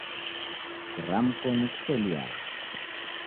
Kiramko nikuseliagha